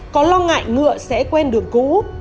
có lo ngại ngựa sẽ quen đường cũ